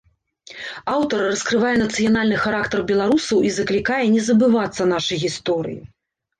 Аўтар раскрывае нацыянальны характар беларусаў і заклікае не забывацца нашай гісторыі.